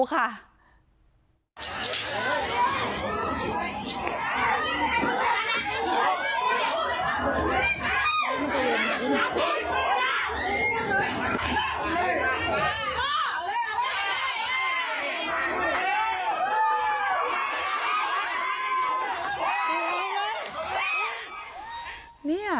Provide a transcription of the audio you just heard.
มีความตายเสียงต่อไป